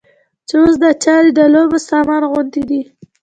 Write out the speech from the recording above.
چې اوس دا چارې د لوبو سامان غوندې دي.